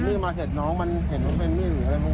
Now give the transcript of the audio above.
มีดมาเสร็จน้องมันเห็นว่าเป็นมีดหรืออะไร